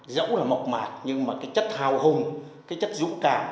dẫu là mộc mạc nhưng mà cái chất hào hùng cái chất dũng cảm